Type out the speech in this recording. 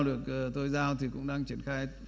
được tôi giao thì cũng đang triển khai